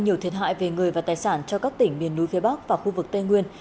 gây nhiều thiệt hại về người và tài sản cho các tỉnh miền núi phía bắc và khu vực tây nguyên